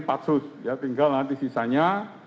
patsus ya tinggal nanti sisanya